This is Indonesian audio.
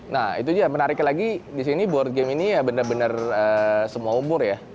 nah itu dia menariknya lagi di sini board game ini ya benar benar semua umur ya